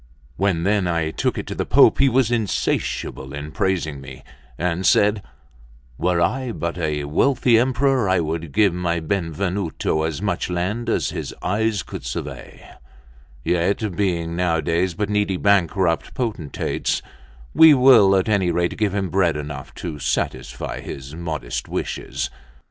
When then I took it to the Pope, he was insatiable in praising me, and said: "Were I but a wealthy emperor, I would give my Benvenuto as much land as his eyes could survey; yet being nowadays but needy bankrupt potentates, we will at any rate give him bread enough to satisfy his modest wishes."